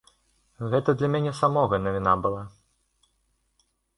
Гэта для мяне самога навіна была.